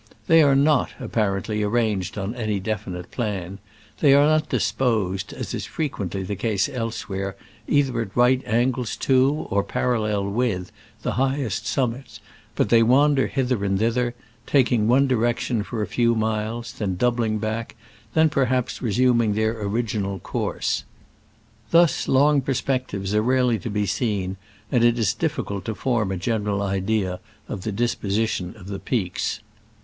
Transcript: They are not, ap parently, arranged on any definite plan : they are not disposed, as is frequently the case elsewhere, either at right angles to, or parallel with, the highest sum mits, but they wander hither and thither, taking one direction for a few miles, then doubling back, and then perhaps resuming their original course. Thus long perspectives are rarely to be seen, and it is difficult to form a general idea of the disposition of the peaks.